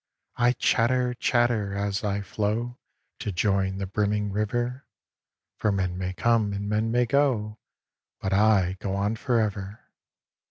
I chatter, chatter, as I flow To join the brimming river, For men may come and men may go, But I go on for ever.